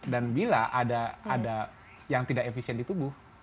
dan bila ada yang tidak efisien di tubuh